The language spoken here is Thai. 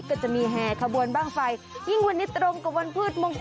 ก็จะมีแห่ขบวนบ้างไฟยิ่งวันนี้ตรงกับวันพืชมงคล